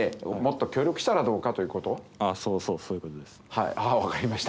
はい分かりました。